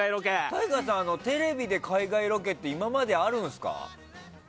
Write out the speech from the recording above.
ＴＡＩＧＡさんテレビで海外ロケって今まであるんですか？